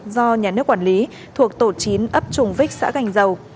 do nhà nước quản lý thuộc tổ chín ấp trùng vích xã gành dầu